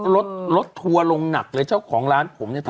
รถรถทัวร์ลงหนักเลยเจ้าของร้านผมเนี่ย